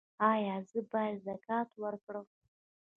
ایا زه باید زکات ورکړم؟